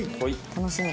楽しみ。